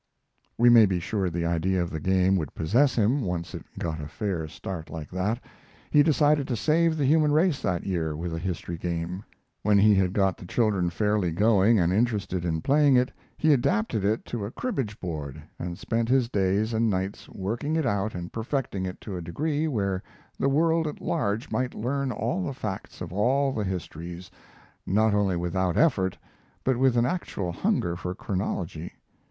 We may be sure the idea of the game would possess him, once it got a fair start like that. He decided to save the human race that year with a history game. When he had got the children fairly going and interested in playing it, he adapted it to a cribbage board, and spent his days and nights working it out and perfecting it to a degree where the world at large might learn all the facts of all the histories, not only without effort, but with an actual hunger for chronology.